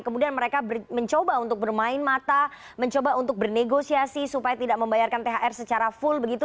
kemudian mereka mencoba untuk bermain mata mencoba untuk bernegosiasi supaya tidak membayarkan thr secara full begitu